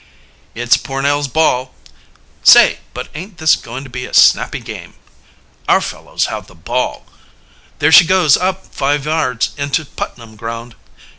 "It's Pornell's ball!" "Say, but ain't this going to be a snappy game!" "Our fellows have the ball!" "There she goes up five yards into Putnam ground!"